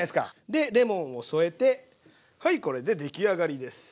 でレモンを添えてはいこれでできあがりです。